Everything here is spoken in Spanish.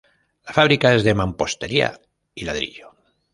La fábrica es de mampostería y ladrillo.